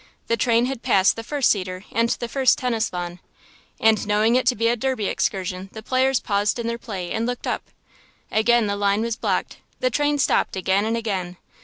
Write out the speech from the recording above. The train had passed the first cedar and the first tennis lawn. And knowing it to be a Derby excursion the players paused in their play and looked up. Again the line was blocked; the train stopped again and again.